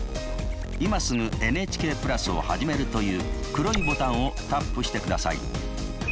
「今すぐＮＨＫプラスをはじめる」という黒いボタンをタップしてください。